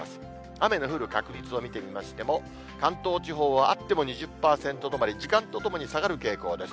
雨の降る確率を見てみましても、関東地方はあっても２０％止まり、時間とともに下がる傾向です。